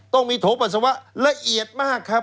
ต้องมีโถปัสสาวะละเอียดมากครับ